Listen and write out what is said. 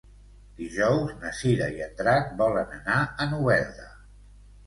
Dijous na Cira i en Drac volen anar a Novelda.